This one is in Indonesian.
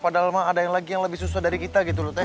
padahal mah ada yang lagi yang lebih susah dari kita gitu loh teh